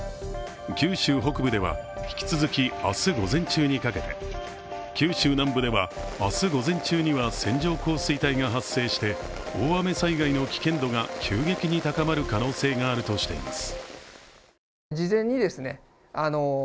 九州北部では引き続き、明日午前中にかけて九州南部では明日午前中には線状降水帯が発生して、大雨災害の危険度が急激に高まる可能性があるとしています。